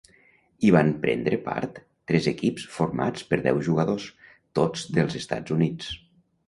Hi van prendre part tres equips formats per deu jugadors, tots dels Estats Units.